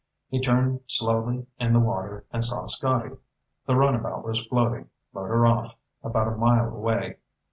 He turned slowly in the water, and saw Scotty. The runabout was floating, motor off, about a mile away.